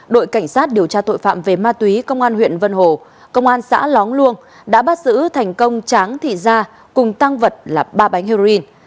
đội cảnh sát điều tra tội phạm về ma túy công an huyện vân hồ công an xã lóng luông đã bắt giữ thành công tráng thị gia cùng tăng vật là ba bánh heroin